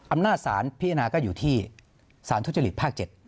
อำนาจสารพิจารณาก็อยู่ที่สารทุจริตภาค๗